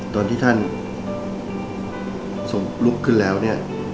ตอนที่ท่านทรงลุกขึ้นแล้วเนี่ย